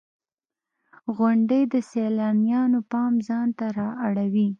• غونډۍ د سیلانیانو پام ځان ته را اړوي.